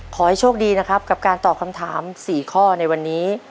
ขอให้โชคดีนะครับกับการตอบคำถาม๔ข้อในวันนี้